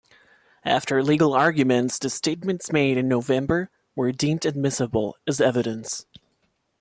After legal arguments the statements made in November were deemed admissible as evidence.